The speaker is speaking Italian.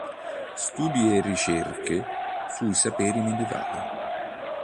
Studi e ricerche sui saperi medievali”.